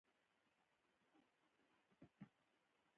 • ریښتینی ملګری تل صادق وي.